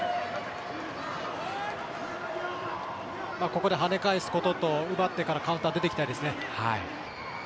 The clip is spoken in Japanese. ここで跳ね返すことと奪ってからカウンターで出ていきたいですね。